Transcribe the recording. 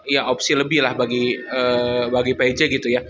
ya opsi lebih lah bagi pj gitu ya